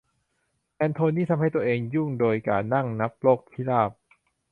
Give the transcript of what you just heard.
แอนโทนี่ทำให้ตัวเองยุ่งโดยการนั่งนับนกพิราบ